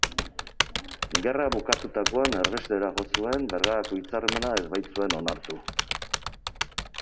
Gerra bukatutakoan erbestera jo zuen, Bergarako hitzarmena ez baitzuen onartu.